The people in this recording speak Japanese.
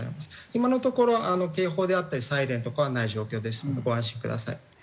今のところ警報であったりサイレンとかはない状況ですのでご安心ください。